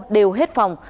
đều hết phòng